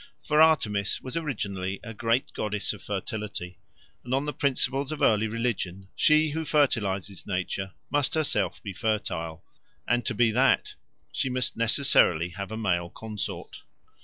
For Artemis was originally a great goddess of fertility, and, on the principles of early religion, she who fertilises nature must herself be fertile, and to be that she must necessarily have a male consort.